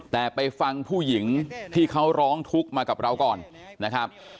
แต่ไปฟังผู้หญิงที่เขาร้องทุกข์มากับเราก่อนนะครับ